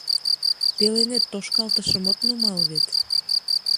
Пеленет тошкалтышым от нумал вет.